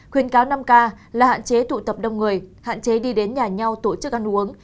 khuyên cáo năm k là hạn chế tụ tập đông người hạn chế đi đến nhà nhau tổ chức ăn uống